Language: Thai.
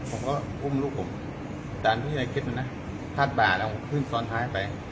ผมก็อุ้มลูกผมอันที่ใดคิดด้วยนะฮะผ้าบาและผมขึ้นทรอนท้ายไป